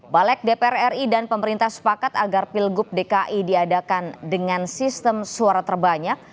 balik dpr ri dan pemerintah sepakat agar pilgub dki diadakan dengan sistem suara terbanyak